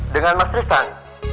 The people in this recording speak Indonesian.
dengan mas tristan